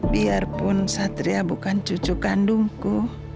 biarpun satria bukan cucu kandungku